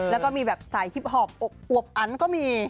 แล้วก็มีแบบสไตล์ฮิปฮอล์ปอวบอันก็มี